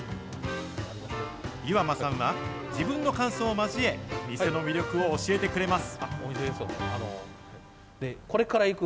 岩間さんは自分の感想を交え、店の魅力を教えてくれます。